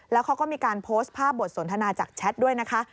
แล้วเขาก็มีการโพสต์ภาพบทสนทนาจากแชทด้วยนะคะ